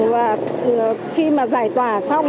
và khi mà giải tỏa xong